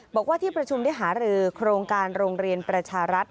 บอกว่าที่ประชุมได้หารือโครงการโรงเรียนประชารัฐ